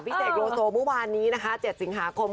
พี่เศกโลโซมุมวานนี้นะคะ๗สิงหาคม